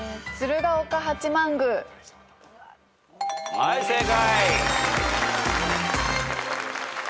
はい正解。